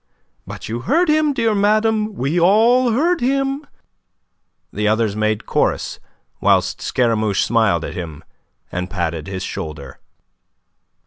"But you heard him, dear madame. We all heard him." The others made chorus, whilst Scaramouche smiled at him, and patted his shoulder.